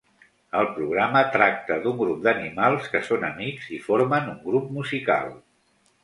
El programa tracta d'un grup d'animals que són amics i formen un grup musical.